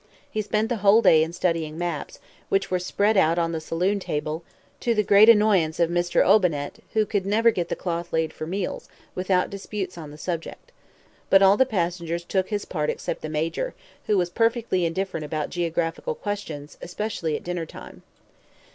He spent the whole day in studying maps, which were spread out on the saloon table, to the great annoyance of M. Olbinett, who could never get the cloth laid for meals, without disputes on the subject. But all the passengers took his part except the Major, who was perfectly indifferent about geographical questions, especially at dinner time.